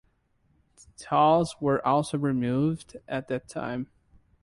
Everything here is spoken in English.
Tolls were also removed at that time.